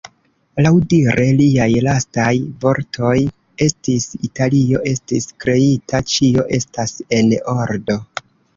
Laŭdire liaj lastaj vortoj estis "Italio estis kreita, ĉio estas en ordo.